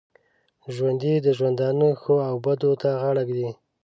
ژوندي د ژوندانه ښو او بدو ته غاړه ږدي